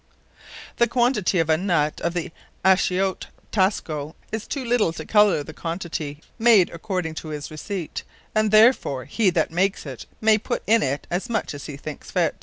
_ [C] Annis. The quantity of a Nut of the _Achiote_[D] is too little to colour the quantity made according to his Receipt; and therefore, he that makes it, may put in it, as much as he thinkes fit.